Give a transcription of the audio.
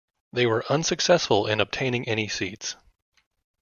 They were unsuccessful in obtaining any seats.